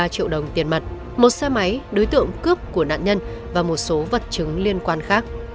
ba triệu đồng tiền mặt một xe máy đối tượng cướp của nạn nhân và một số vật chứng liên quan khác